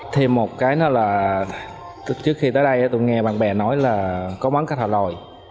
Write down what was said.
thêm một cái nữa là trước khi tới đây tôi nghe bạn bè nói là có món cá thò lòi